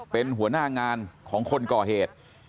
เป็นหัวหน้างานของคนก่อเหตุ